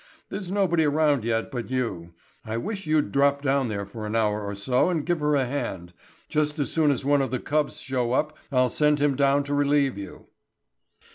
There's nobody around yet but you. I wish you'd drop down there for an hour or so and give her a hand. Just as soon as one of the cubs show up I'll send him down to relieve you."